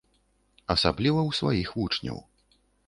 Асабліва ў сваіх вучняў.